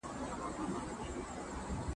ایا افغانانو په جګړه کې ډېر تلفات ورکړل؟